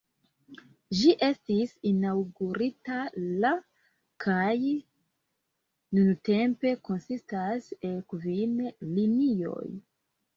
Ĝi estis inaŭgurita la kaj nuntempe konsistas el kvin linioj.